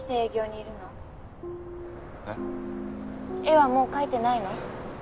絵はもう描いてないの？